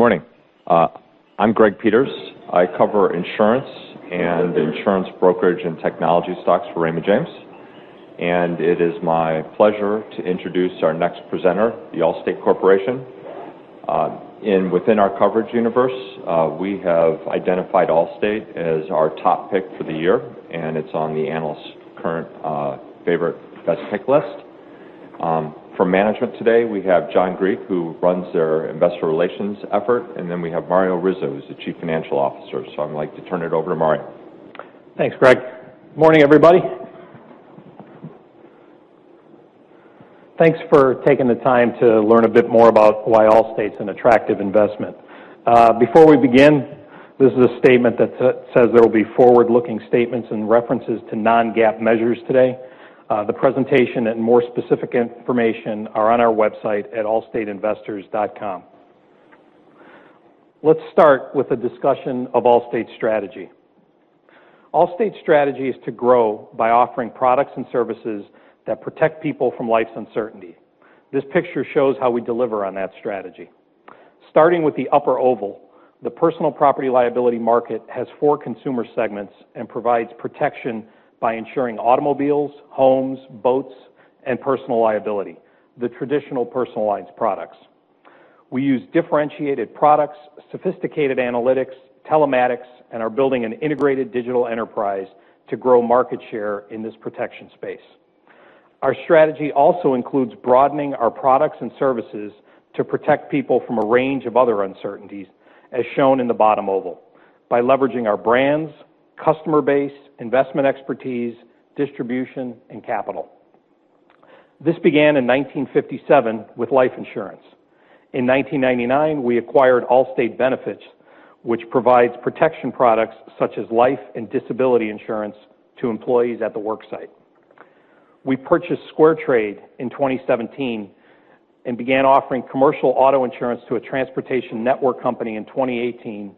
Good morning. I'm Greg Peters. I cover insurance and insurance brokerage and technology stocks for Raymond James, and it is my pleasure to introduce our next presenter, The Allstate Corporation. Within our coverage universe, we have identified Allstate as our top pick for the year, and it's on the analyst's current favorite best pick list. From management today, we have John Griek, who runs their investor relations effort, and we have Mario Rizzo, who's the Chief Financial Officer. I'd like to turn it over to Mario. Thanks, Greg. Morning, everybody. Thanks for taking the time to learn a bit more about why Allstate's an attractive investment. Before we begin, this is a statement that says there will be forward-looking statements and references to non-GAAP measures today. The presentation and more specific information are on our website at allstateinvestors.com. Let's start with a discussion of Allstate's strategy. Allstate's strategy is to grow by offering products and services that protect people from life's uncertainty. This picture shows how we deliver on that strategy. Starting with the upper oval, the personal property liability market has four consumer segments and provides protection by insuring automobiles, homes, boats, and personal liability, the traditional personal lines products. We use differentiated products, sophisticated analytics, telematics, and are building an integrated digital enterprise to grow market share in this protection space. Our strategy also includes broadening our products and services to protect people from a range of other uncertainties, as shown in the bottom oval, by leveraging our brands, customer base, investment expertise, distribution, and capital. This began in 1957 with life insurance. In 1999, we acquired Allstate Benefits, which provides protection products such as life and disability insurance to employees at the work site. We purchased SquareTrade in 2017 and began offering commercial auto insurance to a transportation network company in 2018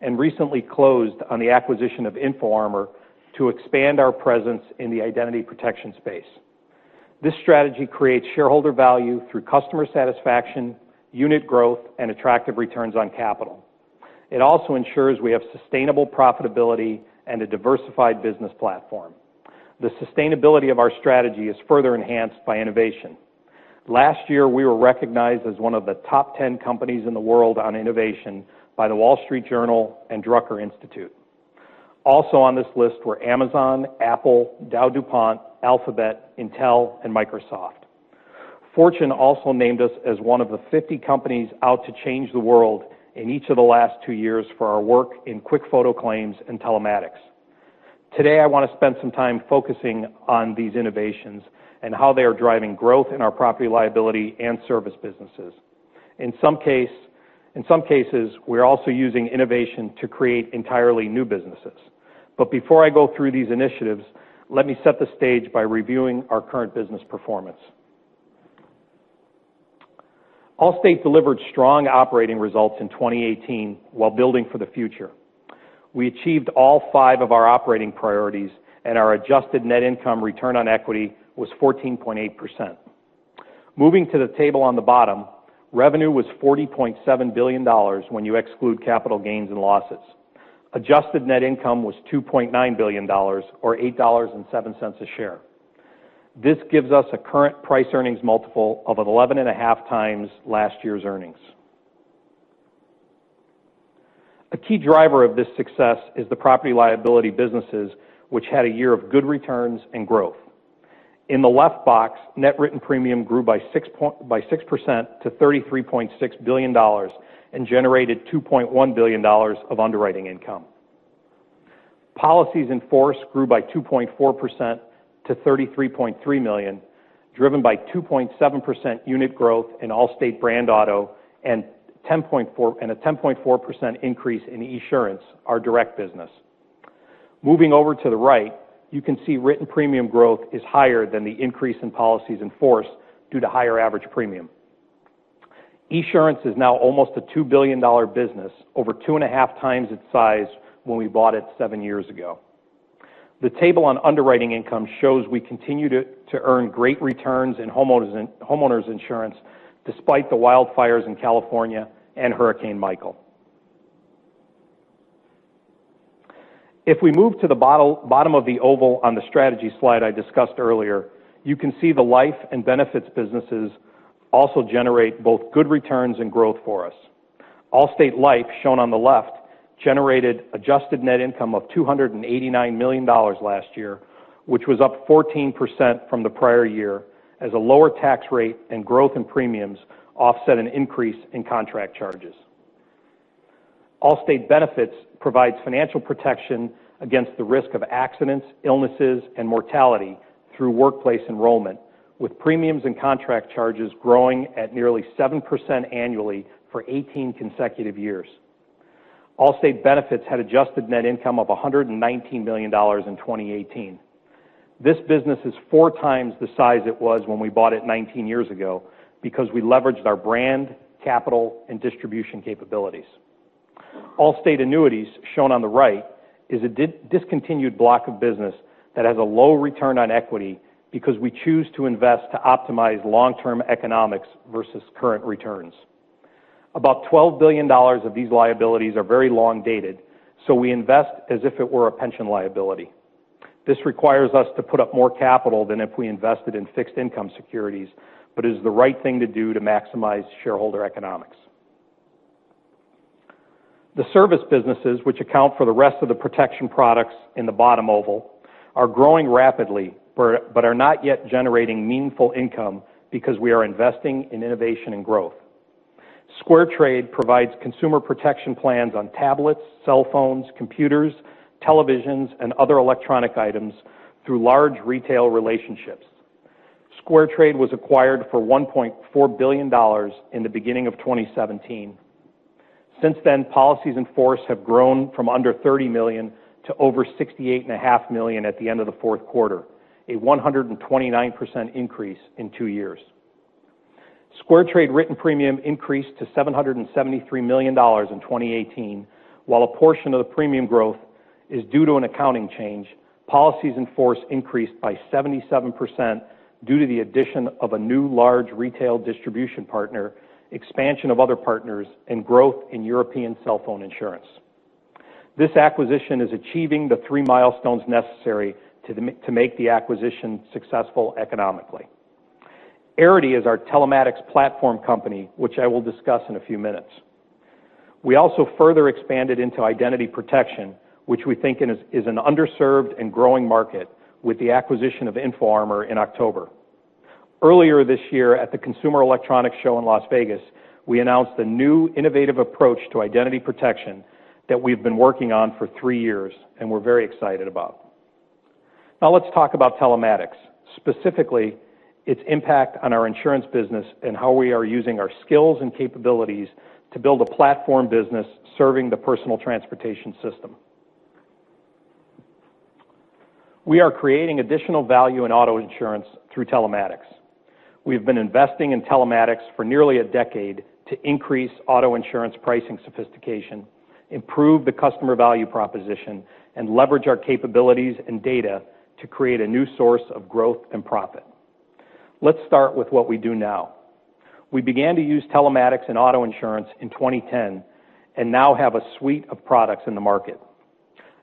and recently closed on the acquisition of InfoArmor to expand our presence in the identity protection space. This strategy creates shareholder value through customer satisfaction, unit growth, and attractive returns on capital. It also ensures we have sustainable profitability and a diversified business platform. The sustainability of our strategy is further enhanced by innovation. Last year, we were recognized as one of the top 10 companies in the world on innovation by The Wall Street Journal and Drucker Institute. Also on this list were Amazon, Apple, DowDuPont, Alphabet, Intel, and Microsoft. Fortune also named us as one of the 50 companies out to change the world in each of the last two years for our work in QuickFoto Claim and telematics. Today, I want to spend some time focusing on these innovations and how they are driving growth in our property liability and service businesses. In some cases, we're also using innovation to create entirely new businesses. Before I go through these initiatives, let me set the stage by reviewing our current business performance. Allstate delivered strong operating results in 2018 while building for the future. We achieved all five of our operating priorities, and our adjusted net income return on equity was 14.8%. Moving to the table on the bottom, revenue was $40.7 billion when you exclude capital gains and losses. Adjusted net income was $2.9 billion, or $8.07 a share. This gives us a current price earnings multiple of 11.5 times last year's earnings. A key driver of this success is the property liability businesses, which had a year of good returns and growth. In the left box, net written premium grew by 6% to $33.6 billion and generated $2.1 billion of underwriting income. Policies in force grew by 2.4% to 33.3 million, driven by 2.7% unit growth in Allstate brand auto and a 10.4% increase in Esurance, our direct business. Moving over to the right, you can see written premium growth is higher than the increase in policies in force due to higher average premium. Esurance is now almost a $2 billion business, over two and a half times its size when we bought it seven years ago. The table on underwriting income shows we continue to earn great returns in homeowners insurance despite the wildfires in California and Hurricane Michael. If we move to the bottom of the oval on the strategy slide I discussed earlier, you can see the life and benefits businesses also generate both good returns and growth for us. Allstate Life, shown on the left, generated adjusted net income of $289 million last year, which was up 14% from the prior year as a lower tax rate and growth in premiums offset an increase in contract charges. Allstate Benefits provides financial protection against the risk of accidents, illnesses, and mortality through workplace enrollment, with premiums and contract charges growing at nearly 7% annually for 18 consecutive years. Allstate Benefits had adjusted net income of $119 million in 2018. This business is four times the size it was when we bought it 19 years ago because we leveraged our brand, capital, and distribution capabilities. Allstate annuities, shown on the right, is a discontinued block of business that has a low return on equity because we choose to invest to optimize long-term economics versus current returns. About $12 billion of these liabilities are very long-dated, so we invest as if it were a pension liability. This requires us to put up more capital than if we invested in fixed income securities, but is the right thing to do to maximize shareholder economics. The service businesses, which account for the rest of the protection products in the bottom oval, are growing rapidly but are not yet generating meaningful income because we are investing in innovation and growth. SquareTrade provides consumer protection plans on tablets, cell phones, computers, televisions, and other electronic items through large retail relationships. SquareTrade was acquired for $1.4 billion in the beginning of 2017. Since then, policies in force have grown from under 30 million to over 68.5 million at the end of the fourth quarter, a 129% increase in two years. SquareTrade written premium increased to $773 million in 2018. While a portion of the premium growth is due to an accounting change, policies in force increased by 77% due to the addition of a new large retail distribution partner, expansion of other partners, and growth in European cell phone insurance. This acquisition is achieving the three milestones necessary to make the acquisition successful economically. Arity is our telematics platform company, which I will discuss in a few minutes. We also further expanded into identity protection, which we think is an underserved and growing market, with the acquisition of InfoArmor in October. Earlier this year at the Consumer Electronics Show in Las Vegas, we announced a new innovative approach to identity protection that we've been working on for three years and we're very excited about. Let's talk about telematics, specifically its impact on our insurance business and how we are using our skills and capabilities to build a platform business serving the personal transportation system. We are creating additional value in auto insurance through telematics. We have been investing in telematics for nearly a decade to increase auto insurance pricing sophistication, improve the customer value proposition, and leverage our capabilities and data to create a new source of growth and profit. Let's start with what we do now. We began to use telematics in auto insurance in 2010 and now have a suite of products in the market.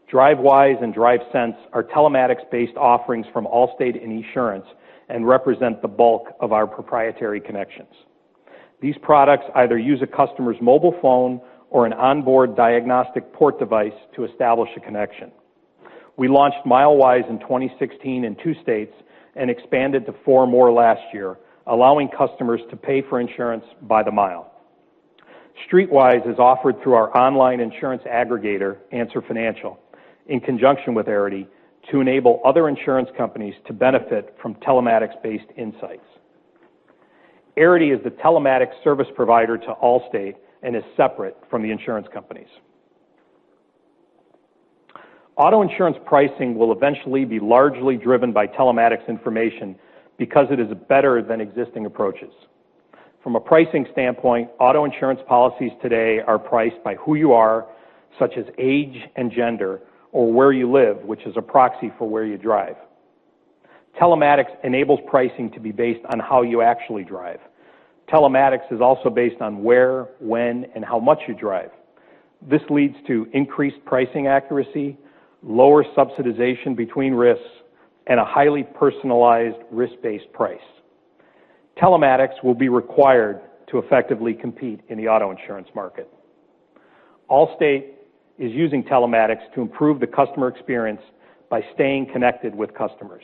Drivewise and DriveSense are telematics-based offerings from Allstate and Esurance and represent the bulk of our proprietary connections. These products either use a customer's mobile phone or an onboard diagnostic port device to establish a connection. We launched Milewise in 2016 in two states and expanded to four more last year, allowing customers to pay for insurance by the mile. Streetwise is offered through our online insurance aggregator, Answer Financial, in conjunction with Arity to enable other insurance companies to benefit from telematics-based insights. Arity is the telematics service provider to Allstate and is separate from the insurance companies. Auto insurance pricing will eventually be largely driven by telematics information because it is better than existing approaches. From a pricing standpoint, auto insurance policies today are priced by who you are, such as age and gender, or where you live, which is a proxy for where you drive. Telematics enables pricing to be based on how you actually drive. Telematics is also based on where, when, and how much you drive. This leads to increased pricing accuracy, lower subsidization between risks, and a highly personalized risk-based price. Telematics will be required to effectively compete in the auto insurance market. Allstate is using telematics to improve the customer experience by staying connected with customers.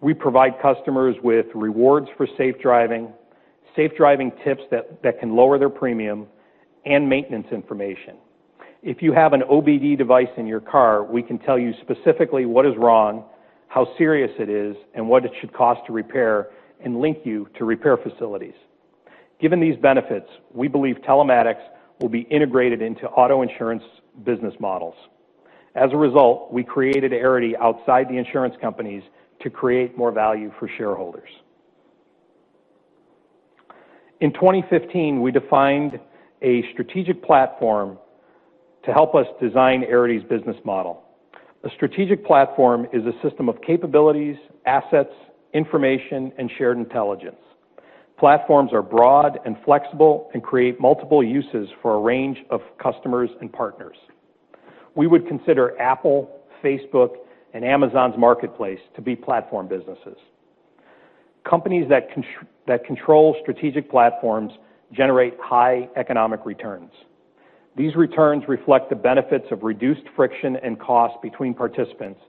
We provide customers with rewards for safe driving, safe driving tips that can lower their premium, and maintenance information. If you have an OBD device in your car, we can tell you specifically what is wrong, how serious it is, and what it should cost to repair, and link you to repair facilities. Given these benefits, we believe telematics will be integrated into auto insurance business models. As a result, we created Arity outside the insurance companies to create more value for shareholders. In 2015, we defined a strategic platform to help us design Arity's business model. A strategic platform is a system of capabilities, assets, information, and shared intelligence. Platforms are broad and flexible and create multiple uses for a range of customers and partners. We would consider Apple, Facebook, and Amazon's marketplace to be platform businesses. Companies that control strategic platforms generate high economic returns. These returns reflect the benefits of reduced friction and cost between participants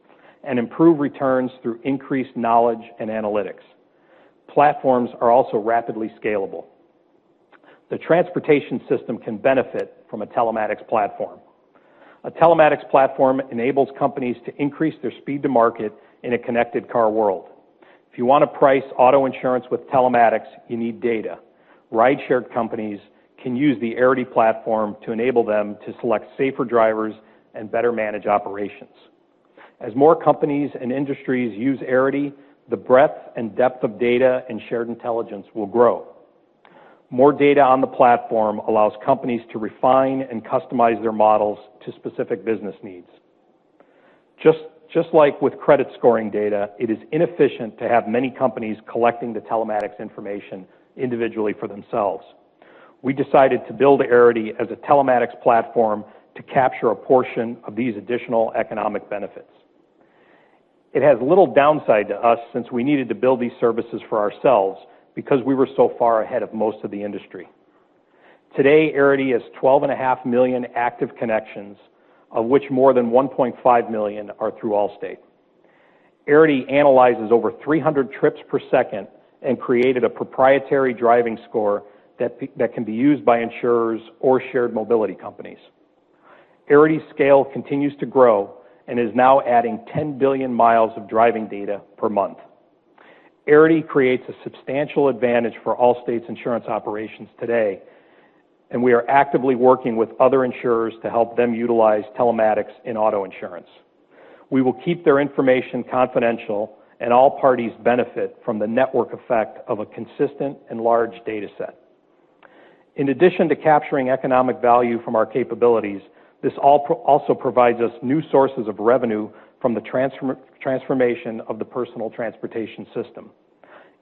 and improve returns through increased knowledge and analytics. Platforms are also rapidly scalable. The transportation system can benefit from a telematics platform. A telematics platform enables companies to increase their speed to market in a connected car world. If you want to price auto insurance with telematics, you need data. Rideshare companies can use the Arity platform to enable them to select safer drivers and better manage operations. As more companies and industries use Arity, the breadth and depth of data and shared intelligence will grow. More data on the platform allows companies to refine and customize their models to specific business needs. Just like with credit scoring data, it is inefficient to have many companies collecting the telematics information individually for themselves. We decided to build Arity as a telematics platform to capture a portion of these additional economic benefits. It has little downside to us since we needed to build these services for ourselves because we were so far ahead of most of the industry. Today, Arity has 12.5 million active connections, of which more than 1.5 million are through Allstate. Arity analyzes over 300 trips per second and created a proprietary driving score that can be used by insurers or shared mobility companies. Arity's scale continues to grow and is now adding 10 billion miles of driving data per month. Arity creates a substantial advantage for Allstate's insurance operations today, and we are actively working with other insurers to help them utilize telematics in auto insurance. We will keep their information confidential, and all parties benefit from the network effect of a consistent and large data set. In addition to capturing economic value from our capabilities, this also provides us new sources of revenue from the transformation of the personal transportation system.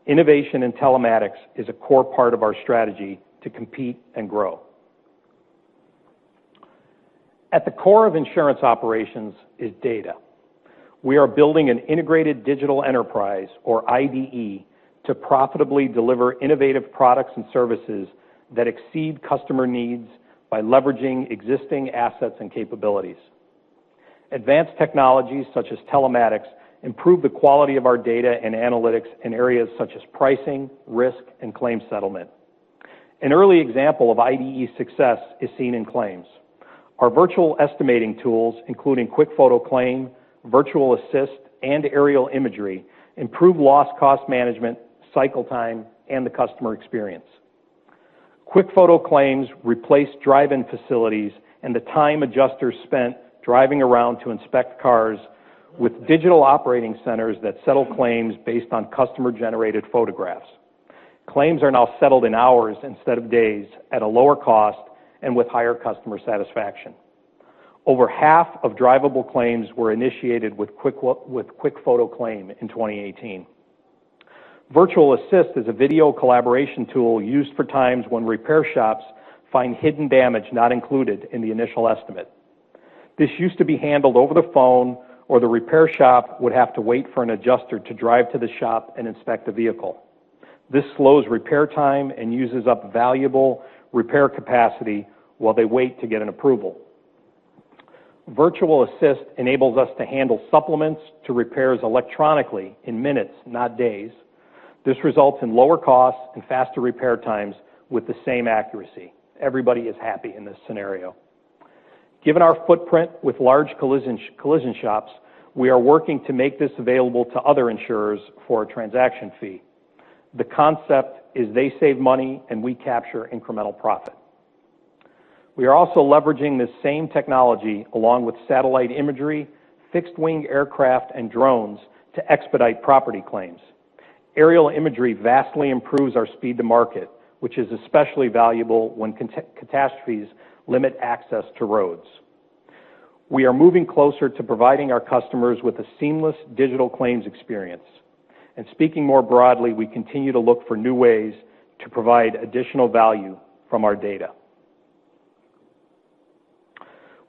Innovation in telematics is a core part of our strategy to compete and grow. At the core of insurance operations is data. We are building an integrated digital enterprise, or IDE, to profitably deliver innovative products and services that exceed customer needs by leveraging existing assets and capabilities. Advanced technologies such as telematics improve the quality of our data and analytics in areas such as pricing, risk, and claims settlement. An early example of IDE success is seen in claims. Our virtual estimating tools, including QuickFoto Claim, Virtual Assist, and aerial imagery, improve loss cost management, cycle time, and the customer experience. QuickFoto Claim replace drive-in facilities and the time adjusters spent driving around to inspect cars with digital operating centers that settle claims based on customer-generated photographs. Claims are now settled in hours instead of days at a lower cost and with higher customer satisfaction. Over half of drivable claims were initiated with QuickFoto Claim in 2018. Virtual Assist is a video collaboration tool used for times when repair shops find hidden damage not included in the initial estimate. This used to be handled over the phone, or the repair shop would have to wait for an adjuster to drive to the shop and inspect the vehicle. This slows repair time and uses up valuable repair capacity while they wait to get an approval. Virtual Assist enables us to handle supplements to repairs electronically in minutes, not days. This results in lower costs and faster repair times with the same accuracy. Everybody is happy in this scenario. Given our footprint with large collision shops, we are working to make this available to other insurers for a transaction fee. The concept is they save money, and we capture incremental profit. We are also leveraging this same technology, along with satellite imagery, fixed-wing aircraft, and drones, to expedite property claims. Aerial imagery vastly improves our speed to market, which is especially valuable when catastrophes limit access to roads. We are moving closer to providing our customers with a seamless digital claims experience. Speaking more broadly, we continue to look for new ways to provide additional value from our data.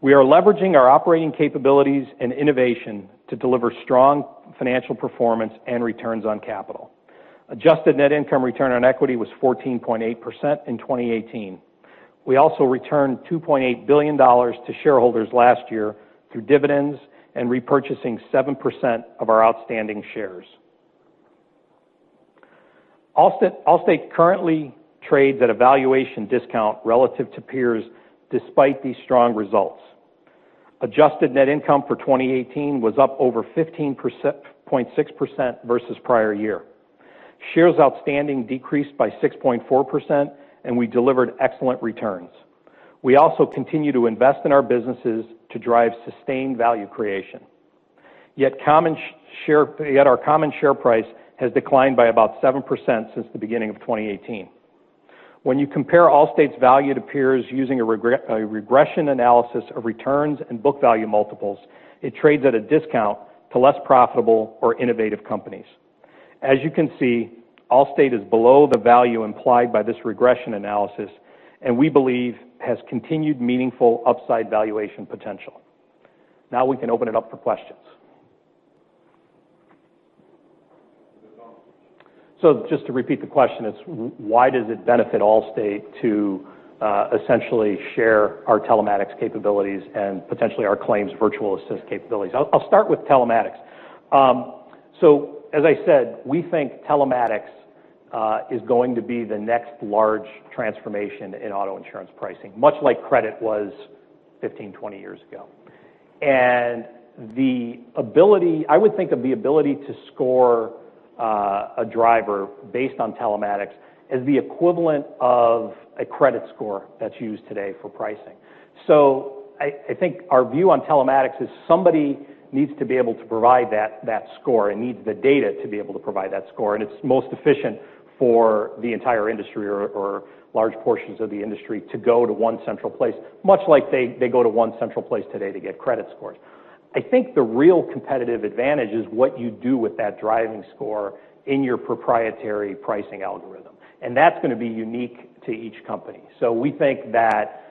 We are leveraging our operating capabilities and innovation to deliver strong financial performance and returns on capital. Adjusted net income return on equity was 14.8% in 2018. We also returned $2.8 billion to shareholders last year through dividends and repurchasing 7% of our outstanding shares. Allstate currently trades at a valuation discount relative to peers despite these strong results. Adjusted net income for 2018 was up over 15.6% versus prior year. Shares outstanding decreased by 6.4%, and we delivered excellent returns. We also continue to invest in our businesses to drive sustained value creation. Our common share price has declined by about 7% since the beginning of 2018. When you compare Allstate's value to peers using a regression analysis of returns and book value multiples, it trades at a discount to less profitable or innovative companies. You can see, Allstate is below the value implied by this regression analysis, and we believe has continued meaningful upside valuation potential. We can open it up for questions. Just to repeat the question, it's why does it benefit Allstate to essentially share our telematics capabilities and potentially our claims Virtual Assist capabilities? I'll start with telematics. As I said, we think telematics is going to be the next large transformation in auto insurance pricing, much like credit was 15, 20 years ago. I would think of the ability to score a driver based on telematics is the equivalent of a credit score that's used today for pricing. I think our view on telematics is somebody needs to be able to provide that score and needs the data to be able to provide that score, and it's most efficient for the entire industry or large portions of the industry to go to one central place, much like they go to one central place today to get credit scores. I think the real competitive advantage is what you do with that driving score in your proprietary pricing algorithm. That's going to be unique to each company. We think that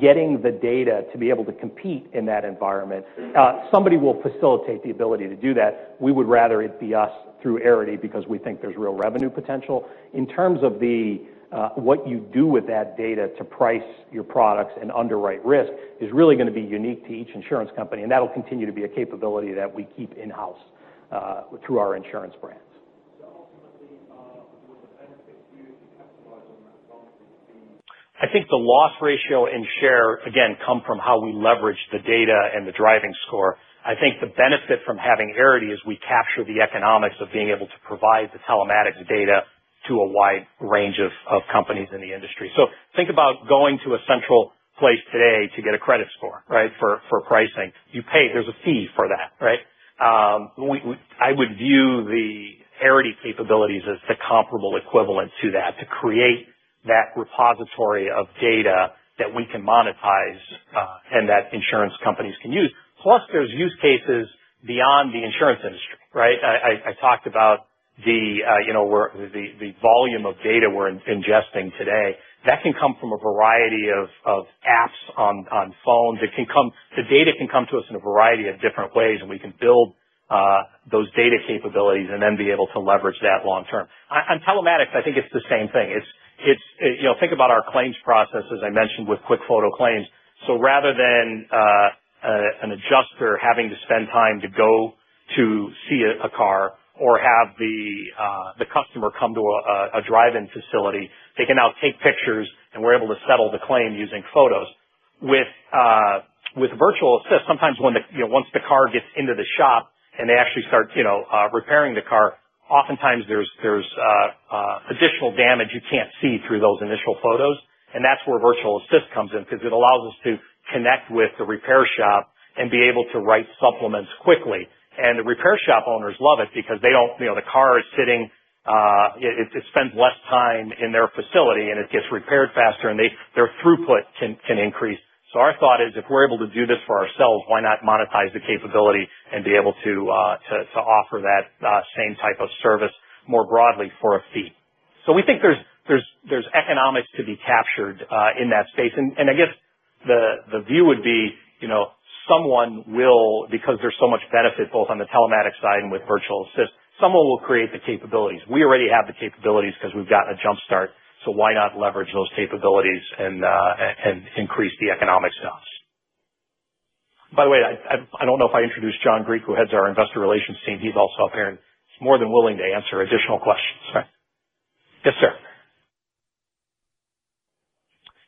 getting the data to be able to compete in that environment, somebody will facilitate the ability to do that. We would rather it be us through Arity because we think there's real revenue potential. In terms of what you do with that data to price your products and underwrite risk is really going to be unique to each insurance company, and that'll continue to be a capability that we keep in-house through our insurance brands. Ultimately, will the benefit to you to capitalize on that loss ratio? I think the loss ratio and share, again, come from how we leverage the data and the driving score. I think the benefit from having Arity is we capture the economics of being able to provide the telematics data to a wide range of companies in the industry. Think about going to a central place today to get a credit score for pricing. You pay, there's a fee for that, right? I would view the Arity capabilities as the comparable equivalent to that, to create that repository of data that we can monetize, and that insurance companies can use. Plus there's use cases beyond the insurance industry, right? I talked about the volume of data we're ingesting today. That can come from a variety of apps on phones. The data can come to us in a variety of different ways, and we can build those data capabilities and then be able to leverage that long term. On telematics, I think it's the same thing. Think about our claims process, as I mentioned with QuickFoto Claim. Rather than an adjuster having to spend time to go to see a car or have the customer come to a drive-in facility, they can now take pictures, and we're able to settle the claim using photos. With Virtual Assist, sometimes once the car gets into the shop and they actually start repairing the car, oftentimes there's additional damage you can't see through those initial photos, and that's where Virtual Assist comes in because it allows us to connect with the repair shop and be able to write supplements quickly. The repair shop owners love it because the car is sitting, it spends less time in their facility, and it gets repaired faster, and their throughput can increase. Our thought is, if we're able to do this for ourselves, why not monetize the capability and be able to offer that same type of service more broadly for a fee? We think there's economics to be captured in that space. I guess the view would be someone will, because there's so much benefit both on the telematics side and with Virtual Assist, someone will create the capabilities. We already have the capabilities because we've got a jump start, why not leverage those capabilities and increase the economics to us? By the way, I don't know if I introduced John Griek, who heads our Investor Relations team. He's also up here and more than willing to answer additional questions. Yes, sir.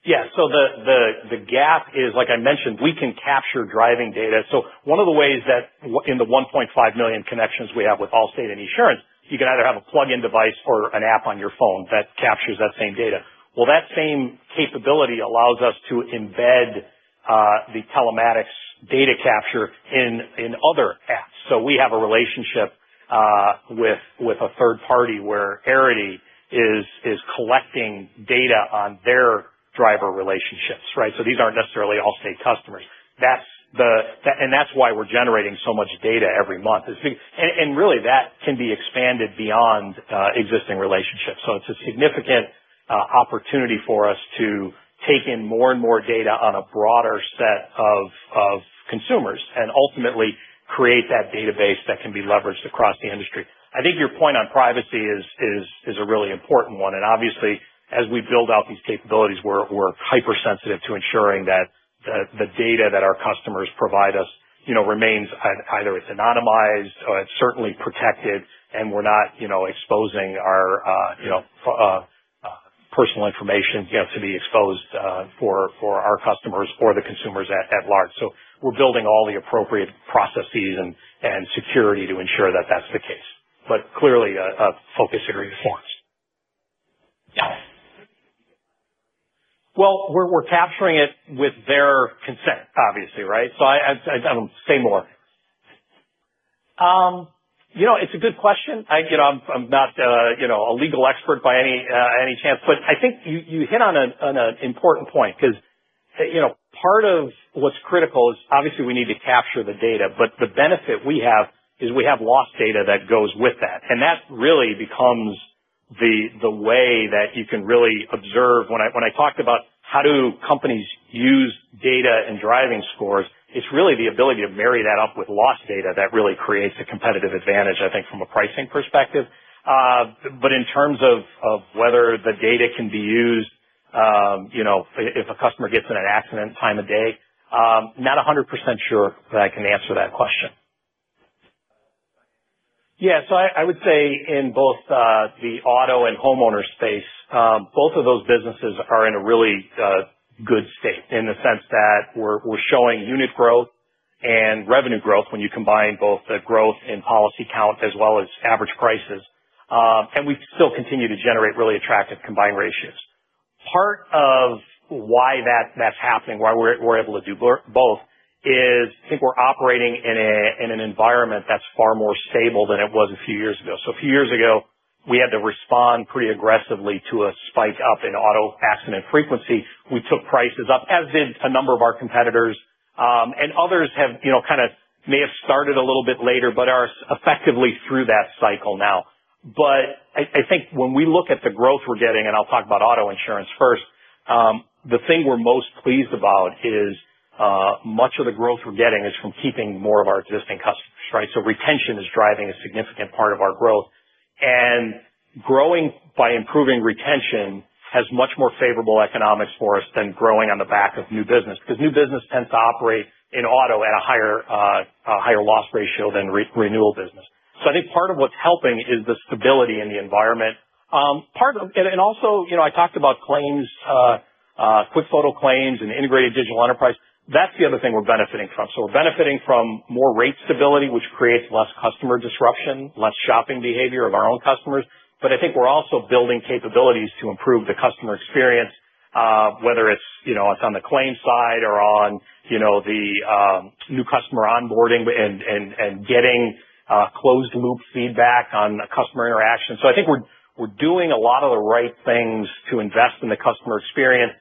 Yeah. The gap is, like I mentioned, we can capture driving data. One of the ways that in the 1.5 million connections we have with Allstate and Esurance, you can either have a plug-in device or an app on your phone that captures that same data. Well, that same capability allows us to embed the telematics data capture in other apps. We have a relationship with a third party where Arity is collecting data on their driver relationships, right? These aren't necessarily Allstate customers. That's why we're generating so much data every month. Really, that can be expanded beyond existing relationships. It's a significant opportunity for us to take in more and more data on a broader set of consumers and ultimately create that database that can be leveraged across the industry. I think your point on privacy is a really important one, and obviously, as we build out these capabilities, we're hypersensitive to ensuring that the data that our customers provide us remains either it's anonymized or it's certainly protected and we're not exposing our personal information to be exposed for our customers or the consumers at large. We're building all the appropriate processes and security to ensure that that's the case. Clearly a focus area for us. Yeah. We're capturing it with their consent, obviously, right? Say more. It's a good question. I'm not a legal expert by any chance, but I think you hit on an important point because part of what's critical is obviously we need to capture the data, but the benefit we have is we have loss data that goes with that. That really becomes the way that you can really observe. When I talked about how do companies use data and driving scores, it's really the ability to marry that up with loss data that really creates a competitive advantage, I think, from a pricing perspective. In terms of whether the data can be used if a customer gets in an accident, time of day, not 100% sure that I can answer that question. Yeah. I would say in both the auto and homeowner space, both of those businesses are in a really good state in the sense that we're showing unit growth and revenue growth when you combine both the growth in policy count as well as average prices. We still continue to generate really attractive combined ratios. Part of why that's happening, why we're able to do both is, I think we're operating in an environment that's far more stable than it was a few years ago. A few years ago, we had to respond pretty aggressively to a spike up in auto accident frequency. We took prices up, as did a number of our competitors. Others may have started a little bit later, but are effectively through that cycle now. I think when we look at the growth we're getting, and I'll talk about auto insurance first, the thing we're most pleased about is, much of the growth we're getting is from keeping more of our existing customers. Retention is driving a significant part of our growth. Growing by improving retention has much more favorable economics for us than growing on the back of new business, because new business tends to operate in auto at a higher loss ratio than renewal business. I think part of what's helping is the stability in the environment. Also, I talked about claims, QuickFoto Claim and integrated digital enterprise. That's the other thing we're benefiting from. We're benefiting from more rate stability, which creates less customer disruption, less shopping behavior of our own customers. I think we're also building capabilities to improve the customer experience, whether it's on the claims side or on the new customer onboarding and getting closed-loop feedback on customer interaction. I think we're doing a lot of the right things to invest in the customer experience,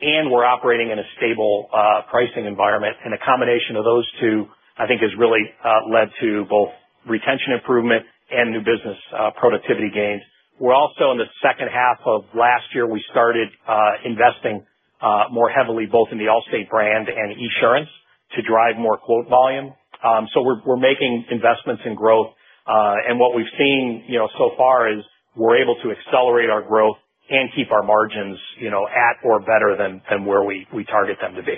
and we're operating in a stable pricing environment. A combination of those two, I think, has really led to both retention improvement and new business productivity gains. We're also in the second half of last year, we started investing more heavily both in the Allstate brand and Esurance to drive more quote volume. We're making investments in growth. What we've seen so far is we're able to accelerate our growth and keep our margins at or better than where we target them to be.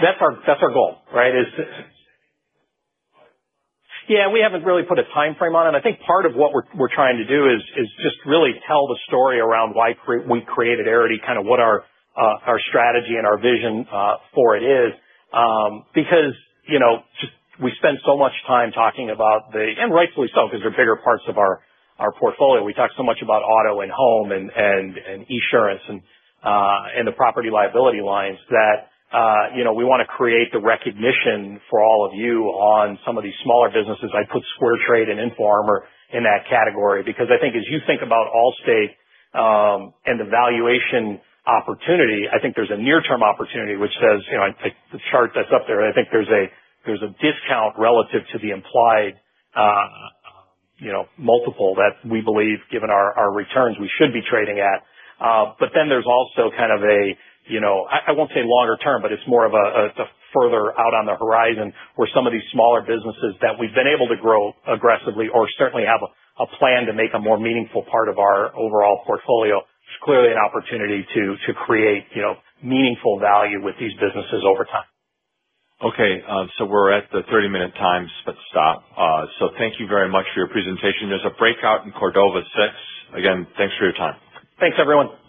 That's our goal, right? Yeah, we haven't really put a timeframe on it. I think part of what we're trying to do is just really tell the story around why we created Arity, what our strategy and our vision for it is. Because we spend so much time talking about the, and rightfully so, because they're bigger parts of our portfolio. We talk so much about auto and home and Esurance and the property liability lines that we want to create the recognition for all of you on some of these smaller businesses. I put SquareTrade and InfoArmor in that category because I think as you think about Allstate and the valuation opportunity, I think there's a near-term opportunity which says, I take the chart that's up there, and I think there's a discount relative to the implied multiple that we believe, given our returns, we should be trading at. There's also kind of a, I won't say longer term, but it's more of a further out on the horizon where some of these smaller businesses that we've been able to grow aggressively or certainly have a plan to make a more meaningful part of our overall portfolio. It's clearly an opportunity to create meaningful value with these businesses over time. Okay. We're at the 30-minute time spot stop. Thank you very much for your presentation. There's a breakout in Cordova Six. Again, thanks for your time. Thanks, everyone.